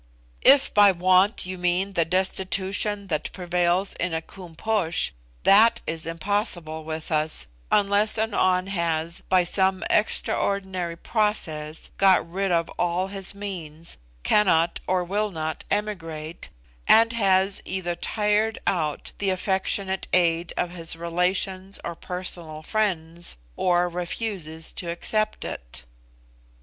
"If by want you mean the destitution that prevails in a Koom Posh, THAT is impossible with us, unless an An has, by some extraordinary process, got rid of all his means, cannot or will not emigrate, and has either tired out the affectionate aid of this relations or personal friends, or refuses to accept it."